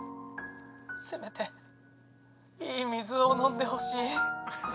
せめていい水を飲んでほしい！